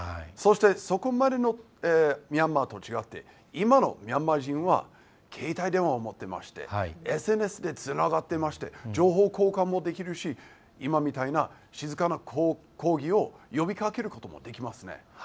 そして、そこまでのミャンマーと違って今のミャンマー人は携帯電話も持ってましてＳＮＳでつながってまして情報交換もできるし今みたいな静かな抗議を呼びかけることもできますね。